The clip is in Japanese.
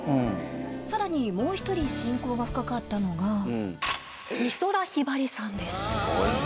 さらに、もう１人、親交が深かったのが、美空ひばりさんです。